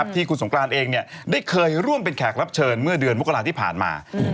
ที่คุณสงกรานเองได้เคยร่วมเป็นแขกรับเชิญเมื่อเดือนมกราที่ผ่านมา